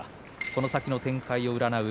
この先の展開を占う